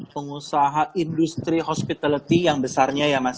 pengusaha industri hospitality yang besarnya ya mas